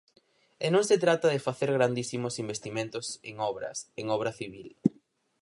E non se trata de facer grandísimos investimentos en obras, en obra civil.